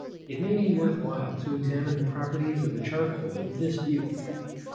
It may be worth while to examine the properties of the charcoal with this view.